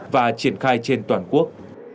và triển khai trên toàn quốc